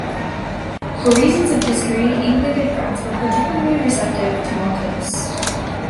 For reasons of history England and France were particularly receptive to Montanus.